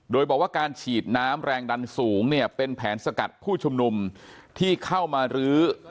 โดยบอกว่าการฉีดน้ำแรงดันสูงเนี่ยเป็นแผนสกัดผู้ชุมนุมที่เข้ามารื้อ